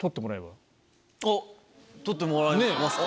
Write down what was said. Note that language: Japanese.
あっ！撮ってもらえますか？